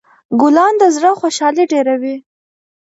ګلان د زړه خوشحالي ډېروي.